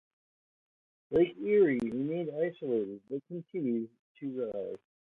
Lake Erie remained isolated, but continued to rise.